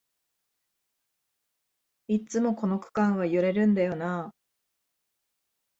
いっつもこの区間は揺れるんだよなあ